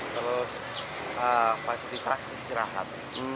terus fasilitas istirahat